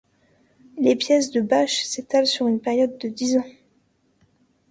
Les pièces de Bach s'étalent sur une période de dix ans.